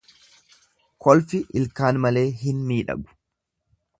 Kolfi ilkaan malee hin miidhagu.